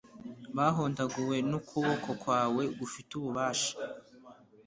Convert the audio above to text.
bahondaguwe n'ukuboko kwawe gufite ububasha